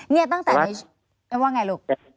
นี่ตั้งแต่ว่าไงลูก